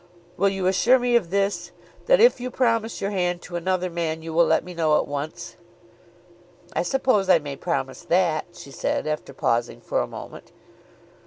Will you assure me of this, that if you promise your hand to another man, you will let me know at once?" "I suppose I may promise that," she said, after pausing for a moment.